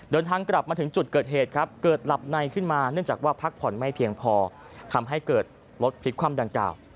เดินทางกลับมาถึงจุดเกิดเหตุครับเกิดหลับในขึ้นมาเนื่องจากว่าพักผ่อนไม่เพียงพอทำให้เกิดรถพลิกคว่ำดังกล่าว